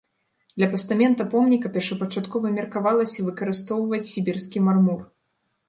Для пастамента помніка першапачаткова меркавалася выкарыстоўваць сібірскі мармур.